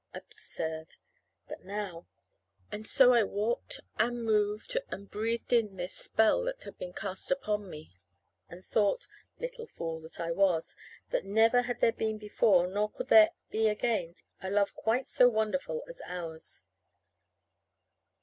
Absurd! But now And so I walked and moved and breathed in this spell that had been cast upon me; and thought little fool that I was! that never had there been before, nor could there be again, a love quite so wonderful as ours.